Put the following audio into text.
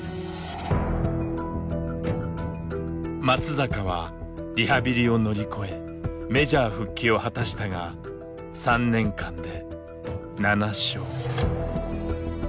松坂はリハビリを乗り越えメジャー復帰を果たしたが３年間で７勝。